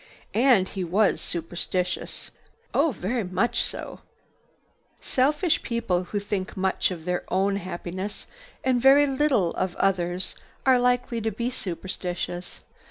And he was superstitious. Oh, very much so! Selfish people who think much of their own happiness and very little of others are likely to be superstitious.